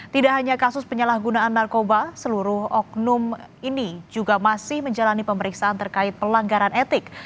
tidak hanya kasus penyalahgunaan narkoba seluruh oknum ini juga masih menjalani pemeriksaan terkait pelanggaran etik